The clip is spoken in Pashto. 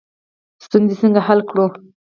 ستونزې څنګه حل کړو؟